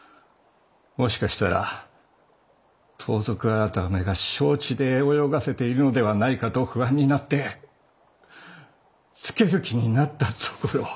もしかしたら盗賊改が承知で泳がせているのではないかと不安になってつける気になったところを。